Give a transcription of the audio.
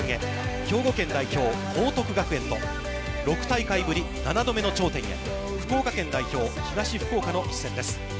兵庫県代表・報徳学園と６大会ぶり７度目の頂点へ、福岡県代表・東福岡の一戦です。